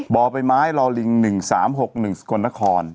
บ่อไปไม้รอลิงหนึ่งสามหกหนึ่งสกลนคร